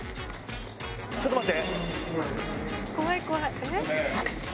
ちょっと待って。